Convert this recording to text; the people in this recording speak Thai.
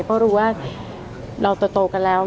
เพราะรู้ว่าเราโตกันแล้ว